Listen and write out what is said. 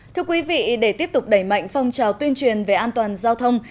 thưa quý vị để tiếp tục đẩy mạnh phong trào tuyên truyền về an toàn giao thông